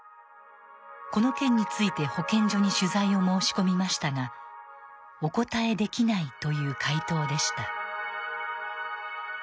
この件について保健所に取材を申し込みましたが「お答えできない」という回答でした。